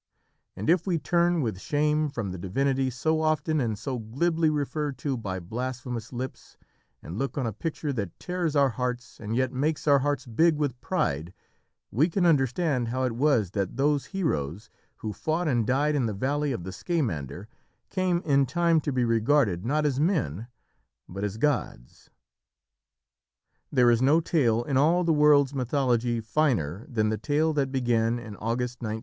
And if we turn with shame from the Divinity so often and so glibly referred to by blasphemous lips, and look on a picture that tears our hearts, and yet makes our hearts big with pride, we can understand how it was that those heroes who fought and died in the Valley of the Scamander came in time to be regarded not as men, but as gods. There is no tale in all the world's mythology finer than the tale that began in August 1914.